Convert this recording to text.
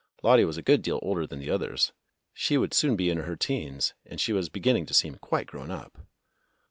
Lottie was a good deal older than the others. She would soon be in her 'teens, and she was beginning to seem quite grown up.